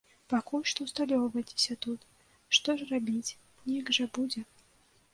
Пакуль што асталёўвайцеся тут, што ж рабіць, нейк жа будзе.